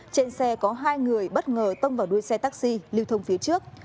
trên xe có hai người bất ngờ tông vào đuôi xe taxi lưu thông phía trước